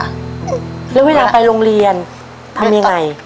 แล้วเวลาไปโรงเรียนทำยังไง